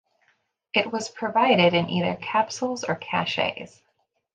It was provided in either capsules or cachets.